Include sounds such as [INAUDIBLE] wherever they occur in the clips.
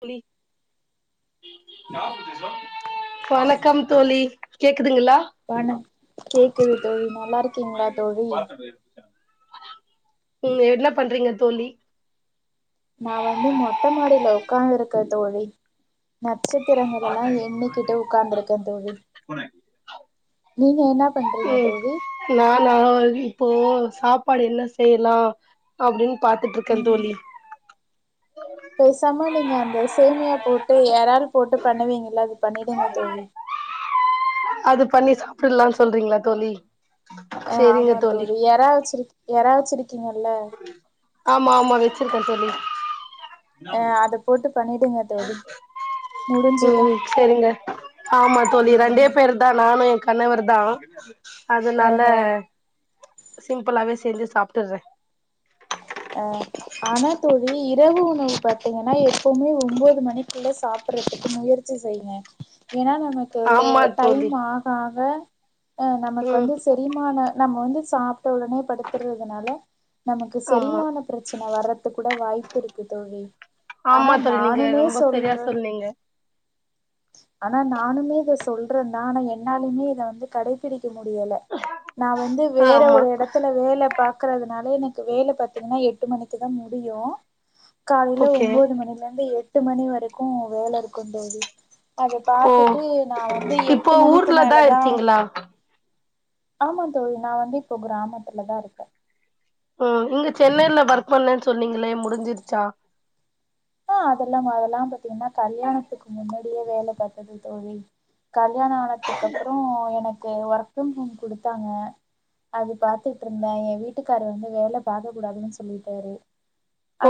தோழி வணக்கம் தோழி கேக்குதுங்ளா வண கேக்குது தோழி நல்லா இருக்கீங்ளா தோழி உம் என்ன பண்றீங்க தோழி நா வந்து மொட்ட மாடில உக்காந்து இருக்க தோழி நட்சத்திரங்களெல்லா எண்ணிக்கிட்டு உக்காந்துருக்க தோழி நீங்க என்னா பண்றீங்க ம் தோழி நானா இப்போ சாப்பாடு என்ன செய்லா அப்டினு பாத்துட்ருக்கந் ம் தோழி பேசாம நீங்க அந்த சேமியா போட்டு யரால் போட்டு பண்ணுவீங்கல்ல அது பண்ணிடுங்க தோழி அது பண்ணி சாப்புலான் சொல்றீங்களா தோழி ஆ ஆமா தோழி யறா வச்சிருக் யறா வச்சிருக்கீங்கல்ல ஆமா ஆமா வெச்சிருக்கே தோழி அ அத போட்டு பண்ணிடுங்க தோழி முடிஞ்சிரு ம் செரிங்க ஆமா தோழி ம் ரெண்டே ம் பேரு தா நானு எ கணவர் தா அதுனால ஆஹ சிம்புளாவே செஞ்சி சாப்ட்டுர்றே ஆ ஆமா தோழி இரவு உணவு பாத்தீங்கனா எப்பவுமே ஒம்போது மணிக்குள்ள சாப்புறதுக்கு முயற்சி செய்யுங்க ஏனா நமக்கு லே ஆமா தோழி டைம் ஆக ஆக ஆ நமக்கு ம் வந்து செ ரிமானோ நம்ம வந்து சாப்ட்ட ஒடனே படுத்துறதனால நமக்கு ஆமா செரிமான ப்ரச்சன வரத்து கூட வாய்ப்பு இருக்கு தோழி ஆமா ஆனா தோழி நீங்க நானுமே ரொம்ப சரியா சொல்றே சொன்னீங்க ஆனா நானுமே இத சொல்றேன்னா ஆனா என்னாலியுமே இத வந்து கடைபிடிக்க முடியல நா வந்து வேற ஆமா ஒரு எடத்துல வேல பாக்குறதுனால எனக்கு வேல பாத்தீங்கனா எட்டு மணிக்கு தா முடியோ காலைல ஓகே ஒம்போது மணிலந்து எட் எட்டு மணி வரைக்கோ வேல இருக்கோ தோழி அது ஓ பாத்துட்டு நா வந்து இப்போ எட்டு மணிக்கு ஊர்ல தா மேலதா இருக்கீங்களா ஆமா தோழி நா வந்து இப்போ க்ராமத்துல தா இருக்க ஓ நீங்க சென்னைல வர்க் பண்ணேன் சொன்னீங்களே முடிஞ்சிடுச்சா ஆ அதெல்லாஙங்க அதெல்லா பாத்தீங்கனா கல்யாணத்துக்கு முன்னாடியே வேல பாத்தது தோழி கல்யாண ஆனத்துக்கு அப்பறோ எனக்கு ஒர்க் ஃப்ரம் ஹோம் குடுத்தாங்க அது பாத்துட்ருந்த ஏ வீட்டுக்கார் வந்து வேல பாக்க கூடாதுனு சொல்லிட்டாரு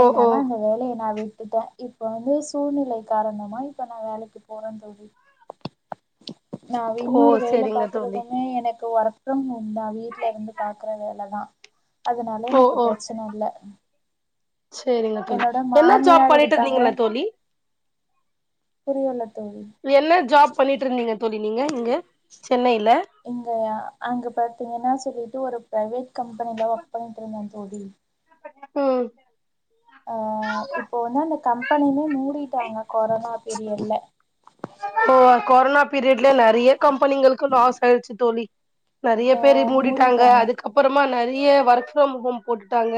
ஓ ஓ அந்த வேலய நா விட் டுட்ட இப்ப வந்து குழ்நிலை காரணமா இப்ப நா வேலைக்கு போற தோழி நா ஓ இன்னொரு வேல செரிங்க தோழி பாக்குறுதுமே எனக்கு ஒர்க் ஃப்ரம் ஹோம்தா வீட்ல இருந்து பாக்ற வேலதா அதுனால எனக்கு ப்ரச்சன இல்ல சேரிங்க தோழி என்னோட என்ன ஜாப் மாமியார் இருக்காங்க பண்ணிட்டிருந்தீங்கள தோழி புரியல தோழி என்ன ஜாப் பண்ணிட்டிருந்தீங்க தோழி நீங்க இங்க சென்னைல இங்க அங்க பாத்திங்கனா சொல்லிட்டு ஒரு ப்ரைவேட் கம்பெனில ஒர்க் பண்ணிட்ருந்த தோழி ம் அ இப்போ வந்து அந்த கம்பெனியுமே மூடிட்டாங்க கொரோனா பீரியட்ல ஓ கொரோனா பீரியட்ல நெறைய கம்பெனிகளுக்கு லாஸ் ஆயிட்ச்சு தோழி நெறைய பேரு மூடிட்டாங்க அதுக் கப்புறமா நறைய ஒர்க் ஃப்ரம் ஹோம் போட்டுட்டாங்க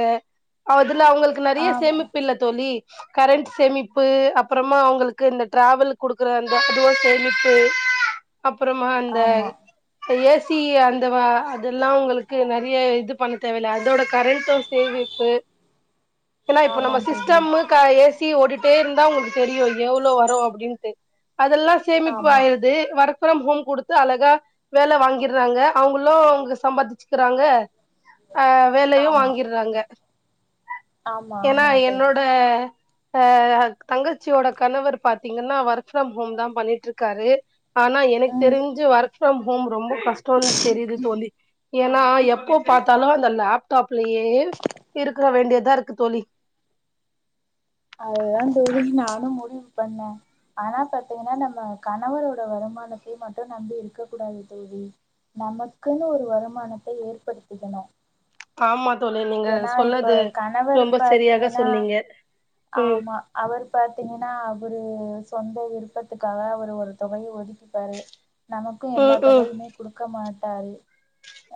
மதுல அவங்களு நிறைய ஆமா சேமிப்பு இல்ல தோழி கரண்ட் சேமிப்பு அப்புறமா அவங்களுக்கு இந்த டிராவல் குடுக் குற அந்த அதுவே சேமிப்பு அப்புறமா அந்த ஆமா அ ஏ சி அந்தவ அதுல்லா உங்களுக்கு நறைய இது பண்ண தேவைல்ல அதோட கரண்டூ சேவிப்பு ஏனா இப்ப ஆமா நம்ம தோழி சிஸ்டம்மு க ஏ சி ஓடிட்டே இருந்தா உங்ளுக் தெரியு எவ்ளோ வரு அப்டின்டு அதுல்லா சேமிப்பு ஆமா ஆயிர்து ஒர்க் ஃப்ரம் ஹோம் குடுத்து அழகா வேல வாங்கிற்றாங்க அவுங்கிளோ அவுங்க சம்பாதிச்சுக்கிறாங்க ஆ வேலையு ஆமா வாங்கிற்றாங்க ஆமா எனா ஆமா தோழி என்னோட அ தங்கச்சியோட கணவர் பாத்தீங்கன்னா வர்க் ஃப்ரம் ஹோம் தா பண்ணிட்ருக்காரு ஆனா எனக் ம் தெரிஞ்சு ஒர்க் ஃப்ரம் ஹோம் ரொம்போ கஷ்டோன் தெரியுது தோழி ஏனா எப்போ பாத்தாலு அந்த லேப் டாப்லேயே இருக்க வேண்டியதா இருக்கு தோழி அதுதா தோழி நானு முடிவு பண்ண அதல பாத்தீங்கனா நம்ப கணவரோட வருமானத்தி மட்டு நம்பி இருக்க கூடாது தோழி நமக்கினு ஒரு வருமானத்த ஏற்படுத்திக்கிணு ஆமா தோழி நீங்க ஏனா இப்ப சொன்னது கணவரு ரொம்ப சரியாக பாத்தீங்கனா சொன்னீங்க ம் ஆமா அவரு பாத்தீங்கனா அவரு சொந்த விருப்பத்துக்காக அவரு ஒரு தொகைய ஒதுக்கிப்பாரு நமக்கு எல்லா ம் ம் தொகையுமே குடுக்க மாட்டாரு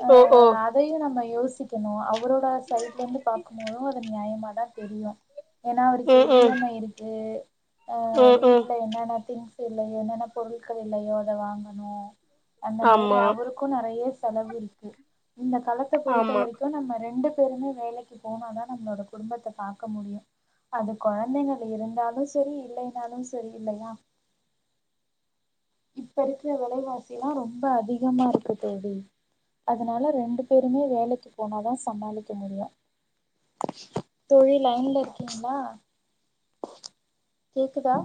அ ஓஹோ அதையு நம்ம யோசிக்கணு அவரோட சைட்லெந்து பாக்குபோதும் அது நியாயமா தா தெரியு ஏனா அவருக்கு ம் இ ம் எம் ஐ இருக்கு [UNINTELLIGIBLE] ட்ல என்னென்ன திங்ஸ் இல்ல என்னென்ன பொருட்கள் இல்லயோ அத வாங்கணு அந்த மாதிரி ஆமா அவரு கு நறைய செலவு இருக்கு இந்த கலத்த பொறுத்த ஆமா வரைக்கு நம்ம ரெண்டு பேருமே வேலைக்கு போனதா நம்ளோட குடும்பத்த பாக்க முடியு அது கொழந்தைகள் இருந்தாலு சேரி இல்லைனாலு சேரி இல்லயா இப்ப இருக்கிற வெலைவாசிலா ரொம்ப அதிகமா இருக்கு தோழி அதனால ரெண்டு பேருமே வேலைக்கு போனதா சமாளிக்க முடியு தோழி லைன்ல இர் கிங்ளா கேக்குதா